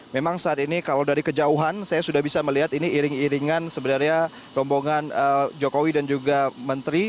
memang saat ini kalau dari kejauhan saya sudah bisa melihat ini iring iringan sebenarnya rombongan jokowi dan juga menteri